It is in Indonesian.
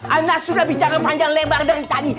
anda sudah bicara panjang lebar dari tadi